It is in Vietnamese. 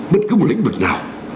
bất cứ một lĩnh vực nào